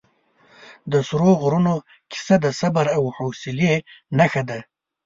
د سرو غرونو کیسه د صبر او حوصلې نښه ده.